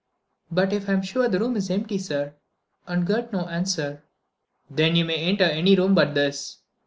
"But if I'm sure the room is empty, sir, and get no answer—?" "Then you may enter any room but this.